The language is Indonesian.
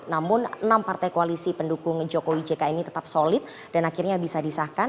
namun enam partai koalisi pendukung jokowi jk ini tetap solid dan akhirnya bisa disahkan